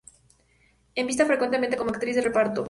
Es vista frecuentemente como actriz de reparto.